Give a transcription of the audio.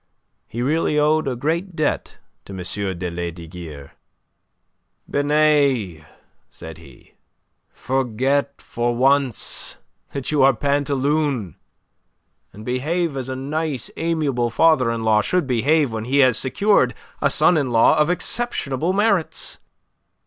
He really owed a great debt to M. de Lesdiguieres. "Binet," said he, "forget for once that you are Pantaloon, and behave as a nice, amiable father in law should behave when he has secured a son in law of exceptionable merits.